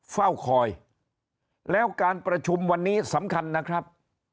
เฝ้าคอยแล้วการประชุมวันนี้สำคัญนะครับ